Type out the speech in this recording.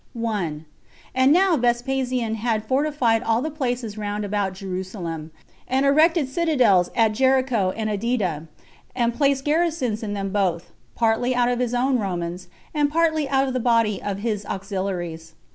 1. And now Vespasian had fortified all the places round about Jerusalem, and erected citadels at Jericho and Adida, and placed garrisons in them both, partly out of his own Romans, and partly out of the body of his auxiliaries.